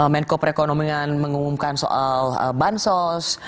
menko perekonomian mengumumkan soal bansos